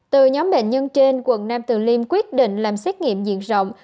từ nhóm bệnh nhân trên quận nam từ liêm quyết định làm xét nghiệm diện rộng